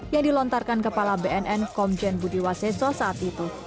yang dilontarkan kepala bnn komjen budiwaseco saat itu